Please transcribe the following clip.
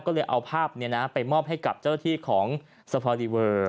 ก็เลยเอาภาพไปมอบให้กับเจ้าที่ของสภาริเวอร์